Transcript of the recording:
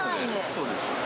そうです。